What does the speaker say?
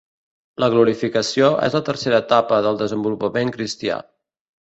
La glorificació és la tercera etapa del desenvolupament cristià.